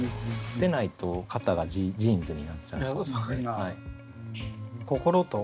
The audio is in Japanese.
でないと型がジーンズになっちゃうと思うので。